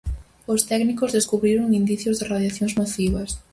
Os técnicos descubriron indicios de radiacións nocivas.